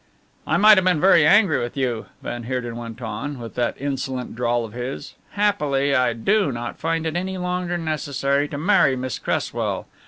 "I might have been very angry with you," van Heerden went on, with that insolent drawl of his; "happily I do not find it any longer necessary to marry Miss Cresswell.